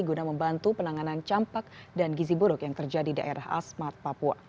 guna membantu penanganan campak dan gizi buruk yang terjadi di daerah asmat papua